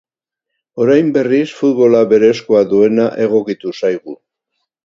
Orain berriz, futbolak berezkoa duena egokitu zaigu.